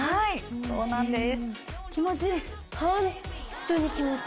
そうなんです。